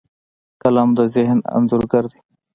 قلم د ذهن انځورګر دی